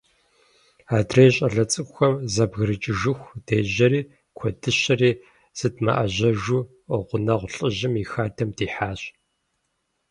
Адрей щӀалэ цӀыкӀухэр зэбгрыкӀыжыху дежьэри, куэдыщэри зыдмыӀэжьэжу, гъунэгъу лӏыжьым и хадэм дихьащ.